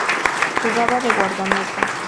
Jugaba de guardameta.